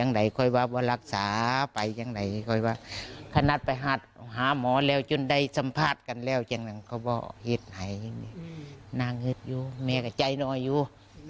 ใช่ยากว่าจะแต่เวชไยอย่างนี้น่าเงินอยู่โหมีก็ใจหน่อยอยู่